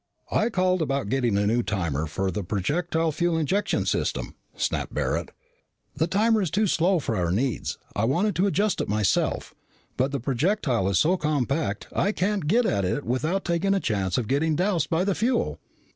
"I called about getting a new timer for the projectile fuel injection system," snapped Barret. "The timer is too slow for our needs. I wanted to adjust it myself, but the projectile is so compact, I can't get at it without taking a chance of getting doused by the fuel."